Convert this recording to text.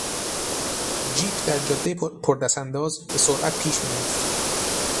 جیپ در جادهی پر دستانداز به سرعت پیش میرفت.